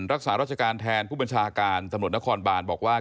รักษาราชการแทนผู้บัญชาการตำรวจนครบานบอกว่า